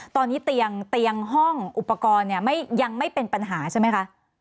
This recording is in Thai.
ตอนนี้เตียงห้องอุปกรณ์เนี่ยยังไม่เป็นปัญหาใช่ไหมคะ